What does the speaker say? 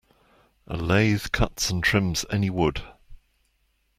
A lathe cuts and trims any wood.